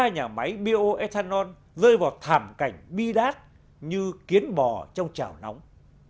ba nhà máy bioethanol rơi vào thảm cảnh bi đát như kiến bò trong chảo nóng